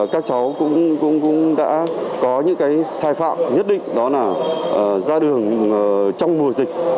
các cháu cũng đã có những cái sai phạm nhất định đó là ra đường trong mùa dịch